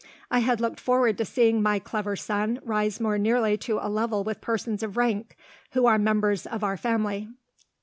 I had looked forward to seeing my clever son rise more nearly to a level with persons of rank, who are members of our family.